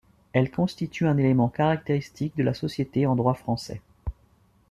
Elle constitue un élément caractéristique de la société en droit français.